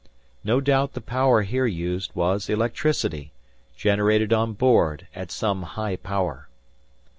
No doubt the power here used was electricity, generated on board, at some high power.